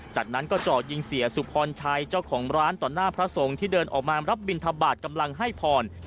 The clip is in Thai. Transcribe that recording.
จากนั้นก็จ่อยิงเสียสุพรชัยเจ้าของร้านต่อหน้าพระสงฆ์ที่เดินออกมารับบินทบาทกำลังให้พร